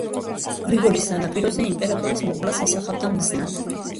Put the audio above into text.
გრიგოლის სანაპიროზე იმპერატორის მოკვლას ისახავდა მიზნად.